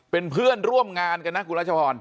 เป็นเพื่อนร่วมงานกันนะคุณรัชพร